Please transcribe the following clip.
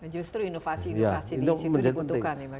justru inovasi inovasi di situ dibutuhkan ya bagi indonesia